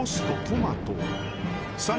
トマト。